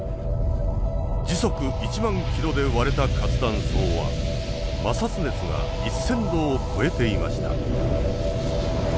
時速１万ｋｍで割れた活断層は摩擦熱が１，０００度を超えていました。